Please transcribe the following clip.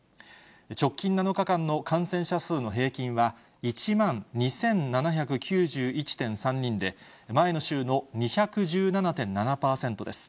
直近７日間の感染者数の平均は、１万２７９１．３人で、前の週の２１７．７％です。